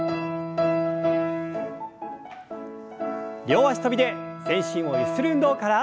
両脚跳びで全身をゆする運動から。